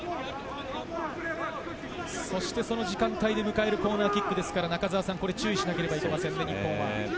その時間帯で迎えるコーナーキックですから注意しなければいけません。